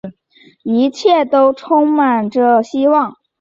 一切又充满了希望